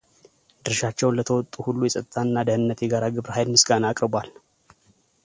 ድርሻቸውን ለተወጡ ሁሉ የፀጥታና ደህንነት የጋራ ግብረ ሐይል ምስጋና አቅርቧል፡፡